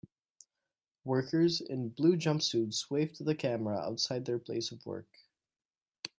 Workers in blue jumpsuits wave to the camera outside their place of work.